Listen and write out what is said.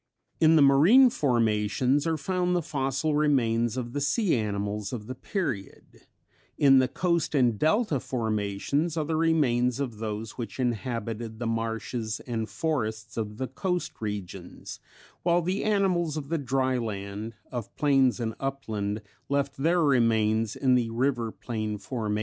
In the marine formations are found the fossil remains of the sea animals of the period; in the coast and delta formations are the remains of those which inhabited the marshes and forests of the coast regions; while the animals of the dryland, of plains and upland, left their remains in the river plain formations.